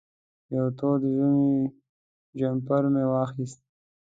یو تود ژمنی جمپر مې واخېست.